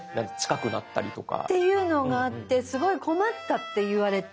近くなったりとか。っていうのがあってすごい困ったって言われて。